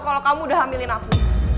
kalau kamu udah hamilin aku